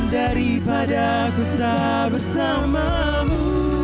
daripada ku tak bersamamu